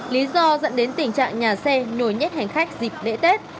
lý do dẫn đến tình trạng nhà xe nhồi nhét hành khách dịp lễ tết